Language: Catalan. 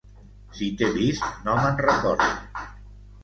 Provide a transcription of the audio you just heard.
Si t'he vist, no me'n recordo!